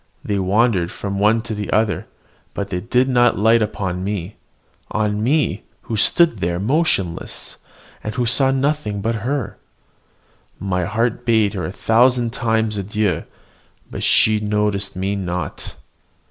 They wandered from one to the other; but they did not light on me, on me, who stood there motionless, and who saw nothing but her! My heart bade her a thousand times adieu, but she noticed me not.